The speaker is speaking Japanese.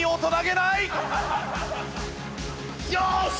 よし！